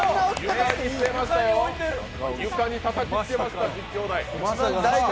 床にたたきつけました、実況台！